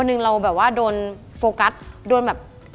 หนึ่งเราแบบว่าโดนโฟกัสโดนแบบ